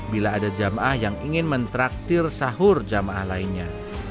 bila ada jamaah yang ingin mentraktir sahur jamaah lainnya